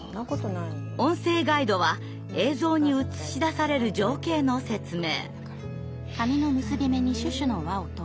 音声ガイドは映像に映し出される情景の説明。